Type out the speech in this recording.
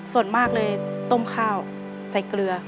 ส่วนมากเลยต้มข้าวใส่เกลือ